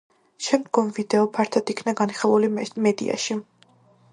შემდგომ ვიდეო ფართოდ იქნა განხილული მედიაში.